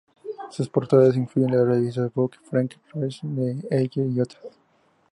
Sus portadas incluyen las revistas Vogue, French Revue de Modes, Elle y otras.